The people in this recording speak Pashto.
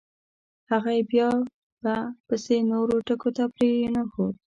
هغه یې بیا به … پسې نورو ټکو ته پرېنښود.